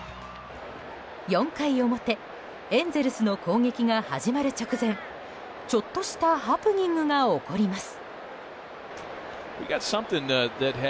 ４回表エンゼルスの攻撃が始まる直前ちょっとしたハプニングが起こります。